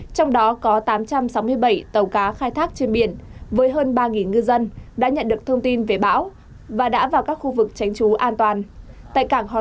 trong đó có tám hộ di rời đến nơi tập trung các hộ còn lại được di rời sen két đến nơi các hộ gia đình có nhà ở kiên cố